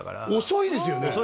遅いですね